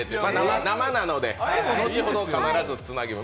生なので、後ほど必ずつなぎます。